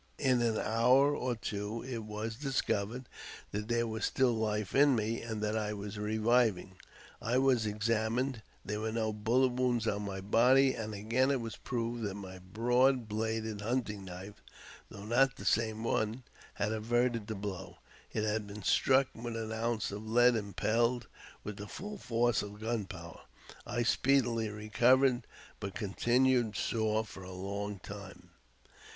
In an hour or two it was discovered that there was still life in me, and that I was reviving. I was examined : there was no bullet wound on my body, and again it was proved that my broad bladed hunting knife (though not the same one) had averted the blow. It had been struck with an ounce of lead impelled with the full force of gunpowder. I speedily re covered, but continued sore for a long time.